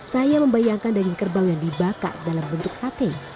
saya membayangkan daging kerbau yang dibakar dalam bentuk sate